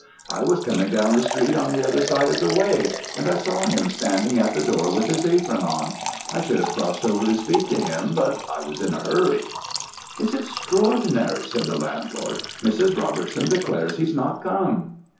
'I was coming down the street on the other side of the way, and I saw him standing at the door with his apron on. I should have crossed over to speak to him, but I was in a hurry.' "'It's extraordinary,' said the landlord: 'Mrs. Robertson declares he's not come.'